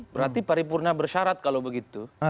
berarti pari purna bersyarat kalau begitu